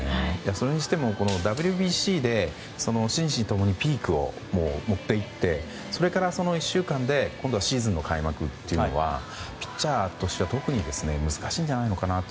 それにしてもＷＢＣで心身ともにピークを持っていってそれから１週間で今度はシーズンの開幕というのはピッチャーとしては特に難しいんじゃないのかなと。